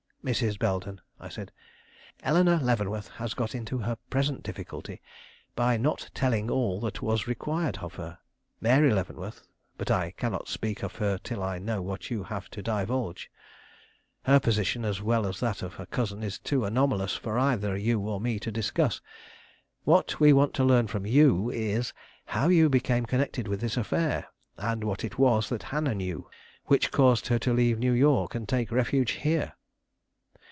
"Mrs. Belden," I said, "Eleanore Leavenworth has got into her present difficulty by not telling all that was required of her. Mary Leavenworth but I cannot speak of her till I know what you have to divulge. Her position, as well as that of her cousin, is too anomalous for either you or me to discuss. What we want to learn from you is, how you became connected with this affair, and what it was that Hannah knew which caused her to leave New York and take refuge here."